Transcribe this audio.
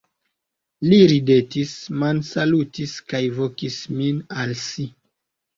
Li ridetis, mansalutis kaj vokis min al si.